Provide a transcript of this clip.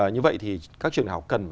như vậy thì các trường đại học cần